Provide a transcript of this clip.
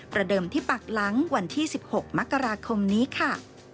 เดิมที่ปากหลังวันที่๑๖มกราคมนี้ค่ะ